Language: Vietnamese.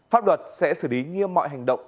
pháp luật sẽ xử lý nghiêm mọi hành động